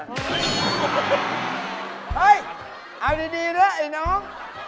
เฮ่ยอ่าวดีดีดีด้วยไอ้น้อง